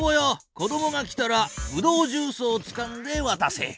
子どもが来たらブドウジュースをつかんでわたせ。